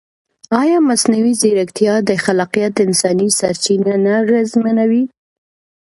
ایا مصنوعي ځیرکتیا د خلاقیت انساني سرچینه نه اغېزمنوي؟